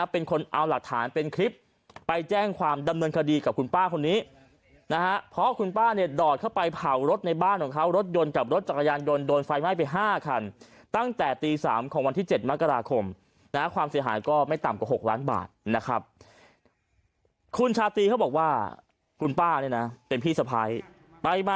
เผ่ารถในบ้านของเขารถยนต์กับรถจักรยานยนต์โดนไฟไหม้ไปห้าคันตั้งแต่ตี๓ของวันที่๗มกราคมและความเสียหายก็ไม่ต่ำกว่า๖ล้านบาทนะครับ